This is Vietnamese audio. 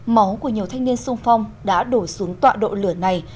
máu của nhiều thanh niên sung phong đã đổ xuống tọa độ lửa này